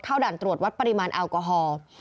ด่านตรวจวัดปริมาณแอลกอฮอล์